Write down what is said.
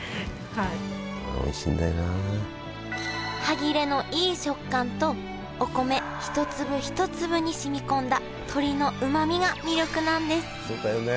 歯切れのいい食感とお米一粒一粒に染み込んだ鶏のうまみが魅力なんですそうだよね。